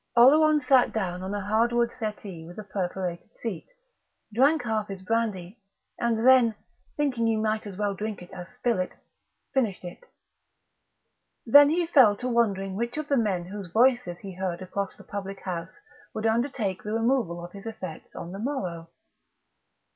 Oleron sat down on a hardwood settee with a perforated seat, drank half his brandy, and then, thinking he might as well drink it as spill it, finished it. Then he fell to wondering which of the men whose voices he heard across the public house would undertake the removal of his effects on the morrow.